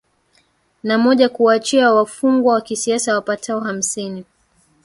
na moja kuwaachia wafungwa wa kisiasa wapatao hamsini